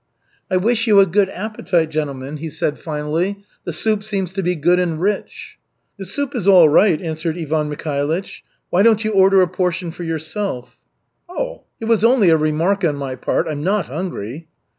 "I wish you a good appetite, gentlemen," he said finally, "the soup seems to be good and rich." "The soup is all right," answered Ivan Mikhailych. "Why don't you order a portion for yourself?" "Oh, it was only a remark on my part. I'm not hungry."